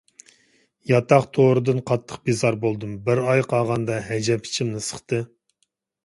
ياتاق تورىدىن قاتتىق بىزار بولدۇم. بىر ئاي قالغاندا ئەجەب ئىچىمنى سىقتى.